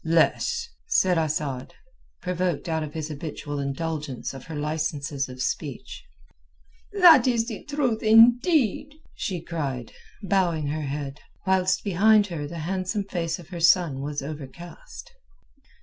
"Less," said Asad, provoked out of his habitual indulgence of her licences of speech. "That is the truth, indeed!" she cried, bowing her head, whilst behind her the handsome face of her son was overcast.